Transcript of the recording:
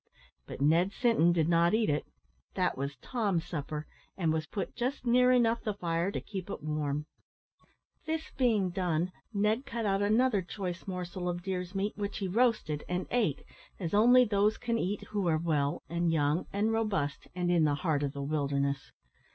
But Ned Sinton did not eat it. That was Tom's supper, and was put just near enough the fire to keep it warm. This being done, Ned cut out another choice morsel of deer's meat, which he roasted and ate, as only those can eat who are well, and young, and robust, and in the heart of the wilderness.